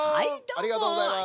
ありがとうございます。